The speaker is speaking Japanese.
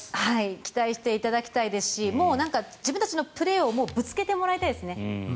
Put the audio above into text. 期待していただきたいですしもう自分たちのプレーをぶつけてもらいたいですね。